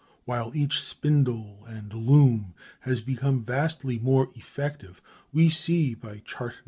While each spindle and loom has become vastly more effective, we see by Chart No.